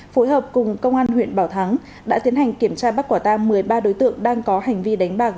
phối hợp cùng công an huyện bảo thắng đã tiến hành kiểm tra bắt quả tang một mươi ba đối tượng đang có hành vi đánh bạc